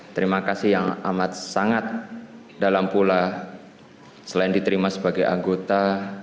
terima kasih yang amat sangat dalam pula selain diterima sebagai anggota